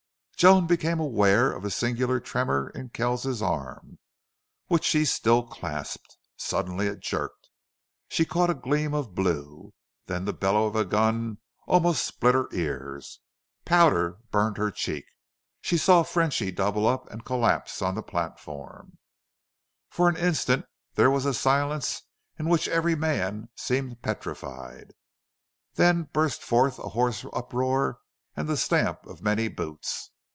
Joan became aware of a singular tremor in Kells's arm, which she still clasped. Suddenly it jerked. She caught a gleam of blue. Then the bellow of a gun almost split her ears. Powder burned her cheek. She saw Frenchy double up and collapse on the platform. For an instant there was a silence in which every man seemed petrified. Then burst forth a hoarse uproar and the stamp of many boots.